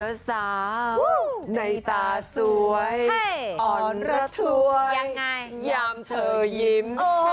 เสือสาวในตาสวยอ่อนหรักทวยยามเธอยิ้ม